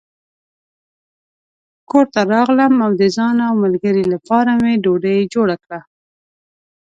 کور ته راغلم او د ځان او ملګري لپاره مې ډوډۍ جوړه کړه.